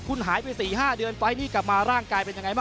คุณหายไป๔๕เดือนไฟล์นี้กลับมาร่างกายเป็นยังไงบ้าง